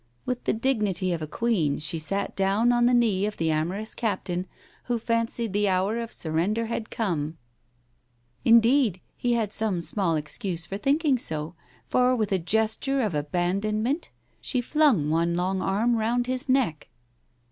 With the dignity of a queen she sat down on the knee of the amorous captain, who fancied the hour of surrender had come. Indeed, he had some small excuse for thinking so, for with a gesture of abandonment she flung one long arm round his neck.